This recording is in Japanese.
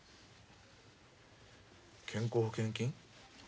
健康保険金？